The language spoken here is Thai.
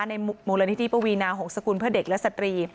มูลนิธิปวีนาหงษกุลเพื่อเด็กและสตรี